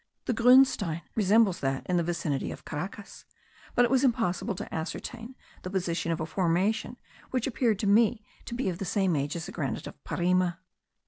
The grunstein resembles that in the vicinity of Caracas; but it was impossible to ascertain the position of a formation which appeared to me to be of the same age as the granite of Parima.